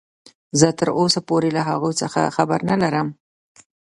زه تراوسه پورې له هغوې څخه خبر نلرم.